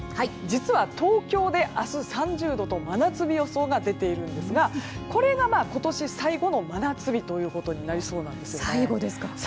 実は東京で明日、３０度と真夏日予想が出ているんですがこれが今年最後の真夏日となりそうです。